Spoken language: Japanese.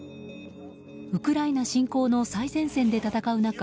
ウクライナ侵攻の最前線で戦う中